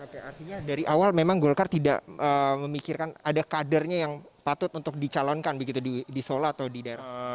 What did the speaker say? oke artinya dari awal memang golkar tidak memikirkan ada kadernya yang patut untuk dicalonkan begitu di solo atau di daerah